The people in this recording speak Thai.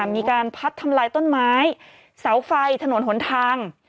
มีการพัดทำลายต้นไม้เสาไฟถนนหนทาง